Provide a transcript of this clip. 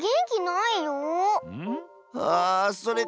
ああそれか。